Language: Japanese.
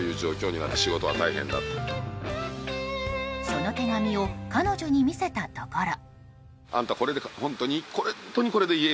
その手紙を彼女に見せたところ。